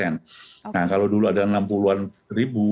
nah kalau dulu ada enam puluh an ribu